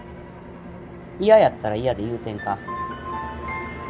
嫌やったら嫌で言うてんか。